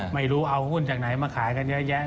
ไม่รู้เอาหุ้นจากไหนมาขายกันเยอะแยะ